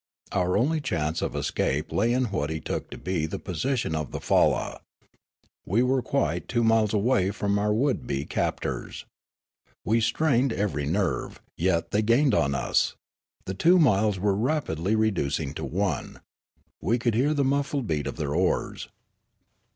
Our only chance of escape lay in what he took to be the position of the falla. We were quite two miles away from our would be captors. We strained every nerve. Yet they gained on us. The two miles were rapidly reducing to one. We could hear the muffled beat of their oars.